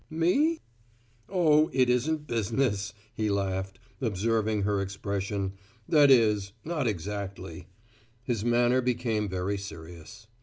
"Me?" "Oh, it isn't business," he laughed, observing her expression. "That is, not exactly." His manner became very serious.